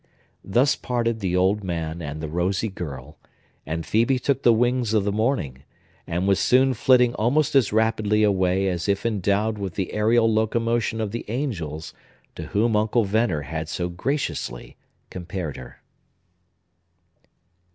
Thus parted the old man and the rosy girl; and Phœbe took the wings of the morning, and was soon flitting almost as rapidly away as if endowed with the aerial locomotion of the angels to whom Uncle Venner had so graciously compared her.